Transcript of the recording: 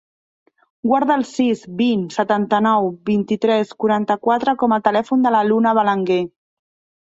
Guarda el sis, vint, setanta-nou, vint-i-tres, quaranta-quatre com a telèfon de la Luna Belenguer.